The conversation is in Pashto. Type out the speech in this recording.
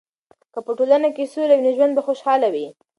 که په ټولنه کې سوله وي، نو ژوند به خوشحاله وي.